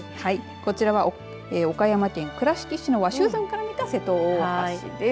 こちらは岡山県倉敷市の鷲羽山から見た瀬戸大橋です。